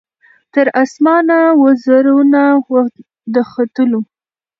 تر اسمانه وزرونه د ختلو